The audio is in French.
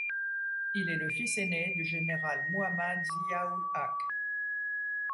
Il est le fils ainé du général Muhammad Zia-ul-Haq.